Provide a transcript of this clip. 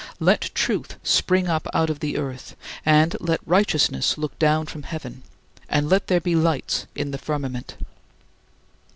Let truth spring up out of the earth, and let righteousness look down from heaven, and let there be lights in the firmament.